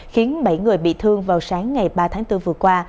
khiến bảy người bị thương vào sáng ngày ba tháng bốn vừa qua